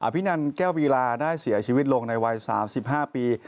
พินันแก้ววีลาได้เสียชีวิตลงในวัย๓๕ปี